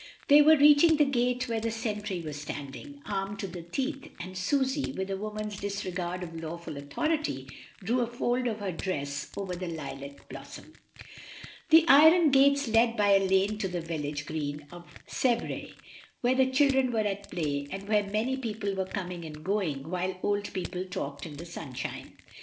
They were reaching the gate where the sentry was standing, armed to the teeth, and Susy, with a woman's disregard of lawful authority, drew a fold of her dress over the lilac blossom. The iron gates led by a lane to the village green of Sevres, where the children were at play and where many people were coming and going, while old people talked in the sunshine.